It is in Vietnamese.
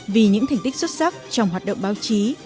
vì những thành tích xuất sắc trong hoạt động báo chí